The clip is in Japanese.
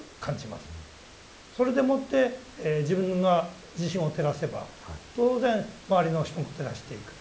それでもって自分が自身を照らせば当然周りの人も照らしていく。